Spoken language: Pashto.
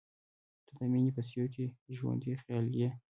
• ته د مینې په سیوري کې ژوندی خیال یې.